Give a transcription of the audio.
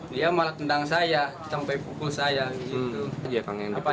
dia malah tendang saya sampai pukul saya gitu